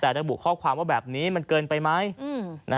แต่ระบุข้อความว่าแบบนี้มันเกินไปไหม